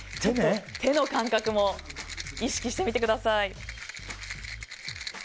手の感覚も意識してみてください。